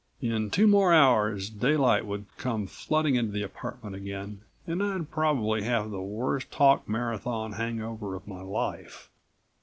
In two more hours daylight would come flooding into the apartment again, and I'd probably have the worst talk marathon hangover of my life.